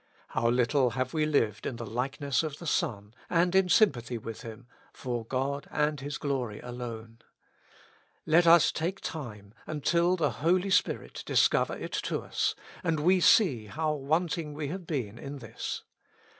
How little have we lived in the likeness of the Son, and in sym pathy with Him — for God and His glory alone. Let us take time, until the Holy Spirit discover it to us, and we see how wanting we have been in this.